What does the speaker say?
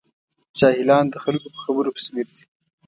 جاهلان د خلکو په خبرو پسې ګرځي.